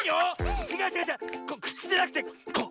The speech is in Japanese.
くちじゃなくてこう。